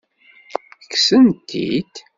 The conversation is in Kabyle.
Kksen-t-id?